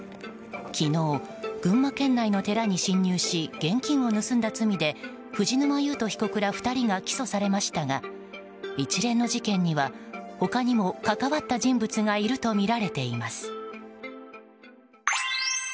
昨日、群馬県内の寺に侵入し現金を盗んだ罪で藤沼勇人被告ら２人が起訴されましたが一連の事件には他にも関わった人物がいるとみられています。